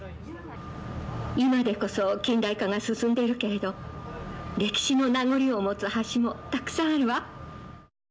今でこそ近代化が進んでいるけれど歴史の名残を持つ橋もたくさんあるわ。